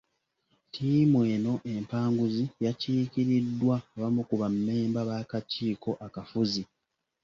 Tiimu eno empanguzi yakiikiriddwa abamu ku ba Memba b'akakiiko akafuzi.